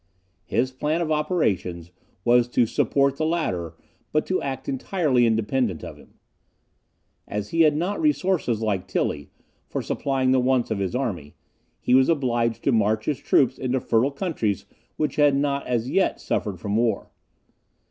His plan of operations was to support the latter, but to act entirely independent of him. As he had not resources, like Tilly, for supplying the wants of his army, he was obliged to march his troops into fertile countries which had not as yet suffered from war.